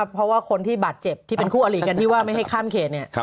เพราะว่าคนที่บาดเจ็บที่เป็นคู่อลิกันที่ว่าไม่ให้ข้ามเขตเนี่ย